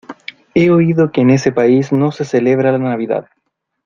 He oído que en ese país no se celebra la Navidad.